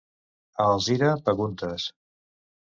A Alzira, peguntes.